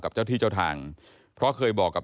เจ้าที่เจ้าทางเพราะเคยบอกกับ